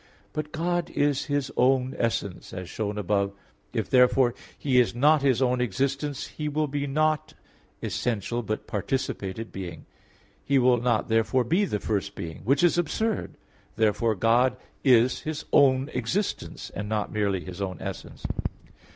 But God is His own essence, as shown above (A. 3); if, therefore, He is not His own existence He will be not essential, but participated being. He will not therefore be the first being which is absurd. Therefore God is His own existence, and not merely His own essence.